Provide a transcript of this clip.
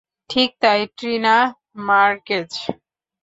ঠিক তাই, Trina Marquez.